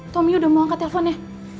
tommy udah mau angkat teleponnya